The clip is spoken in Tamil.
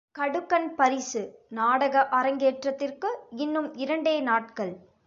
கடுக்கன் பரிசு நாடக அரங்கேற்றத்திற்கு இன்னும் இரண்டே நாட்கள்.